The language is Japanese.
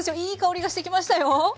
いい香りがしてきましたよ。